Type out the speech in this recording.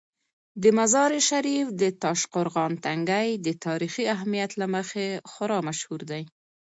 د مزار شریف د تاشقرغان تنګي د تاریخي اهمیت له مخې خورا مشهور دی.